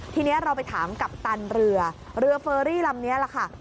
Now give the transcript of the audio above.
ทีนี้เราไปถามกัปตันเรือเรือเฟอรี่ลำนี้แหละค่ะ